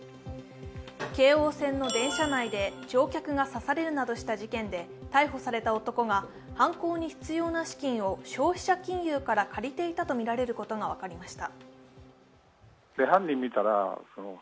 京王線の電車内で乗客が刺されるなどした事件で逮捕された男が犯行に必要な資金を消費者金融から借りていたとみられることが分かりました。